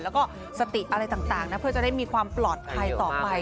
แล้วก็สติอะไรต่างนะเพื่อจะได้มีความปลอดภัยต่อไป